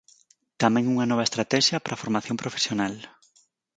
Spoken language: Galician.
Tamén unha nova estratexia pra Formación profesional.